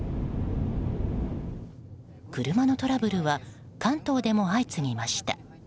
車のトラブルは関東でも相次ぎました。